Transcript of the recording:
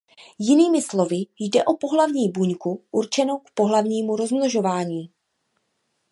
Jinými slovy jde o pohlavní buňku určenou k pohlavnímu rozmnožování.